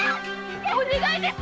お願いです